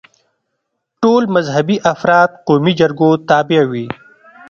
ټول مذهبي افراد قومي جرګو تابع وي.